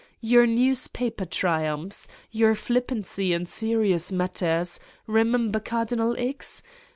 Your newspaper triumphs, your flippancy in serious matters re member Cardinal X!